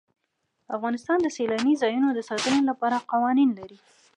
افغانستان د سیلاني ځایونو د ساتنې لپاره قوانین لري.